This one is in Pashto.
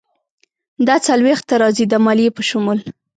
دا څلویښت ته راځي، د مالیې په شمول.